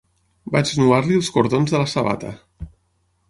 Vaig nuar-li els cordons de la sabata.